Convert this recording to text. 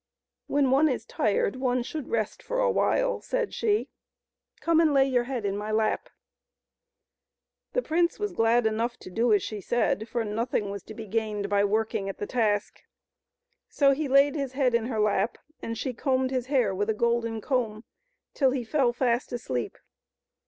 When one is tired, one should rest for a while," said she ;" come and lay your head in my lap." The prince was glad enough to do as she said, for nothing was to be gained by working at that task. So he laid his head in her lap, and she combed his hair with a golden comb till he fell fast asleep.